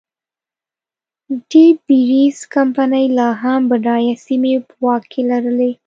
ډي بیرز کمپنۍ لا هم بډایه سیمې په واک کې لرلې.